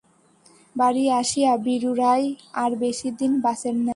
বাড়ী আসিয়া বীরু রায় আর বেশি দিন বাঁচেন নাই।